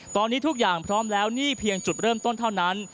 ตอนนี้ทุกอย่างพร้อมแล้วนี่เพียงจุดเริ่มต้นเท่านั้น